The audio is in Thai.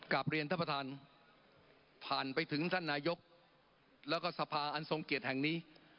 กลับเรียนท่านประธานผ่านไปถึงท่านนายกแล้วก็สภาอันทรงเกียรติแห่งนี้